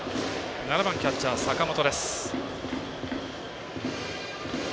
７番、キャッチャーの坂本。